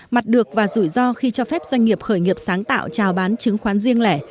mặt được và rủi ro khi cho phép doanh nghiệp khởi nghiệp sáng tạo trào bán chứng khoán riêng lẻ